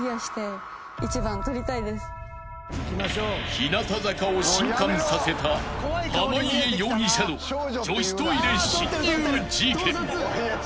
［日向坂を震撼させた濱家容疑者の女子トイレ侵入事件］